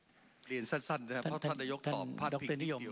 อเจมส์เรียนสั้นนะครับพระพันธุ์นโยคตอบผ้านพิกษิติว